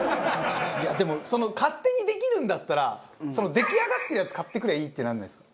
いやでも勝手にできるんだったら出来上がってるやつ買ってくりゃいいってならないですか？